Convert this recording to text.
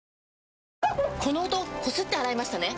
この音こすって洗いましたね？